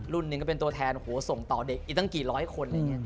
รุ่นนึงก็เป็นตัวแทนโหส่งต่อเด็กอีกตั้งกี่ร้อยคน